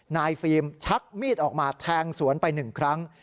นายฟิมชักมีดออกมาแทงสวนไปหนึ่งครั้ง